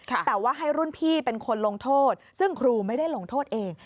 แต่ว่าให้รุ่นพี่เป็นคนลงโทษซึ่งครูไม่ได้ลงโทษเอง